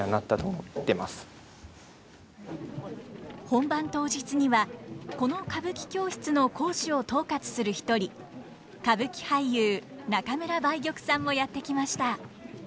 本番当日にはこの歌舞伎教室の講師を統括する一人歌舞伎俳優中村梅玉さんもやって来ました。